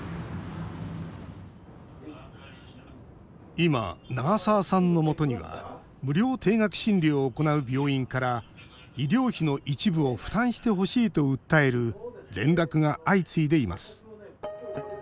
今、長澤さんのもとには無料低額診療を行う病院から医療費の一部を負担してほしいと訴える連絡が相次いでいます。